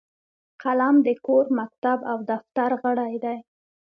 قلم د کور، مکتب او دفتر غړی دی